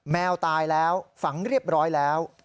แมวตายแล้วฝังเรียบร้อยแล้ว